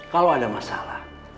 kalau ada masalah